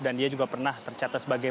dia juga pernah tercatat sebagai